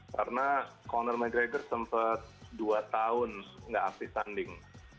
karena conor mcgregor sempat dua tahun tidak aktif tanding